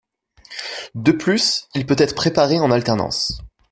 De plus il peut être préparé en alternance.